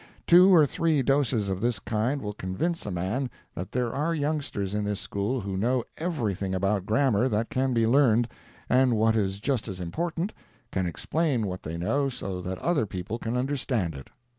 Two or three doses of this kind will convince a man that there are youngsters in this school who know everything about grammar that can be learned, and what is just as important, can explain what they know so that other people can understand it.